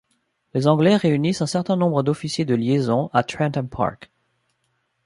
Les Anglais réunissent un certain nombre d'officiers de liaison à Trentham Park.